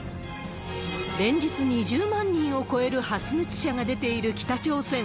連日２０万人を超える発熱者が出ている北朝鮮。